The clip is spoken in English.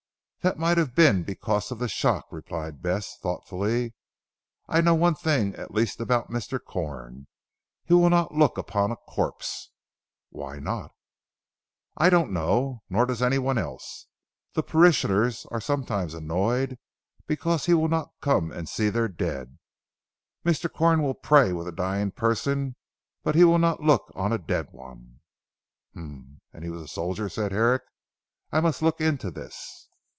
"That might have been because of the shock," replied Bess thoughtfully, "I know one thing at least about Mr. Corn. He will not look upon a corpse." "Why not?" "I don't know, nor does anyone else. The parishioners are sometimes annoyed because he will not come and see their dead. Mr. Corn will pray with a dying person but he will not look on a dead one." "Humph! And he was a soldier!" said Herrick. "I must look into this."